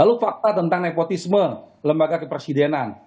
lalu fakta tentang nepotisme lembaga kepresidenan